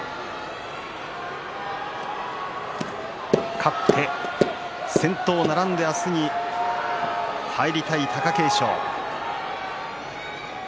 勝って先頭並んで明日に入りたい貴景勝。